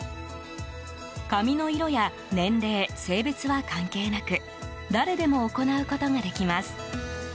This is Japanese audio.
髪の色や年齢、性別は関係なく誰でも行うことができます。